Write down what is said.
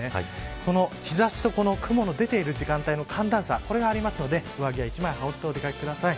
この日ざしと雲の出ている時間帯の寒暖差これがあるので上着は１枚羽織ってお出掛けください。